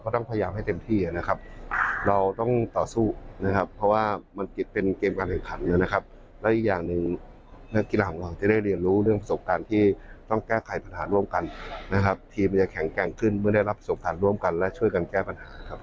ทีมมันจะแข็งแกร่งขึ้นเมื่อได้รับส่งภัณฑ์ร่วมกันและช่วยกันแก้ปัญหาครับผม